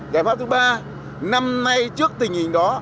giải pháp thứ ba năm nay trước tình hình đó